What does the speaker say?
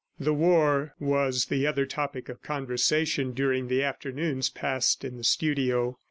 The war was the other topic of conversation during the afternoons passed in the studio.